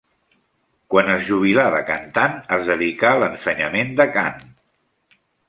Quan es jubilà de cantant es dedicà a l'ensenyament de cant.